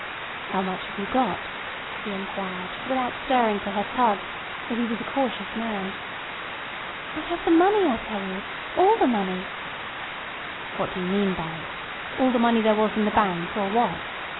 "How much have you got?" he inquired, without stirring to her tug; for he was a cautious man. "I have the money, I tell you. All the money." "What do you mean by it? All the money there was in the bank, or what?"